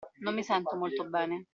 Non mi sento molto bene.